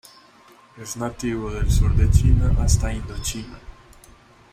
Es nativo del sur de China hasta Indochina.